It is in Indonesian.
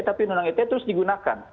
tapi undang undang ite terus digunakan